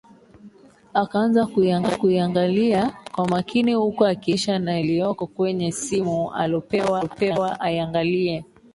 Akaanza kuaingalia kwa makini huku akilinganisha na iliyoko kwenye simu alopewa aiangalie